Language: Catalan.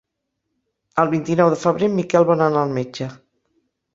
El vint-i-nou de febrer en Miquel vol anar al metge.